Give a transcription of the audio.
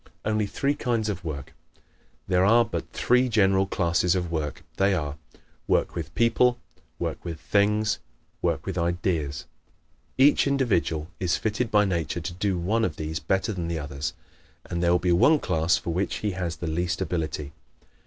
Only Three Kinds of Work ¶ There are but three general classes of work. They are: WORK WITH PEOPLE; WORK WITH THINGS; WORK WITH IDEAS. Each individual is fitted by nature to do one of these better than the others and there will be one class for which he has the least ability.